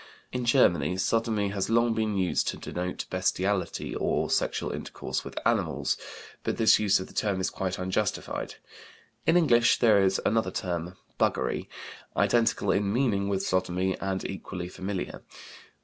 In Germany "sodomy" has long been used to denote bestiality, or sexual intercourse with animals, but this use of the term is quite unjustified. In English there is another term, "buggery," identical in meaning with sodomy, and equally familiar.